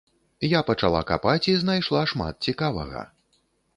Я пачала капаць і знайшла шмат цікавага.